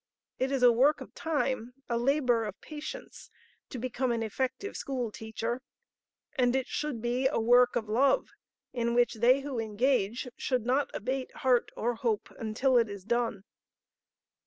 It is a work of time, a labor of patience, to become an effective school teacher; and it should be a work of love in which they who engage should not abate heart or hope until it is done.